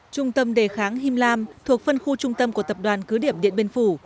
trung tâm đề kháng him lam thuộc phân khu trung tâm của tập đoàn cứ điểm điện biên phủ